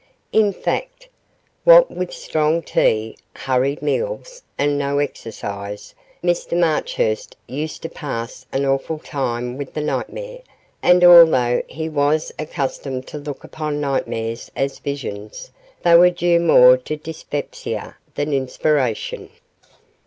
In fact, what with strong tea, hurried meals, and no exercise, Mr Marchurst used to pass an awful time with the nightmare, and although he was accustomed to look upon nightmares as visions, they were due more to dyspepsia than inspiration.